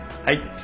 はい。